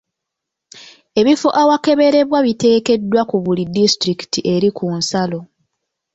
Ebifo awakeberebwa biteekeddwa ku buli disitulikiti eri ku nsalo.